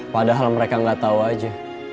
padahal mereka gatau aja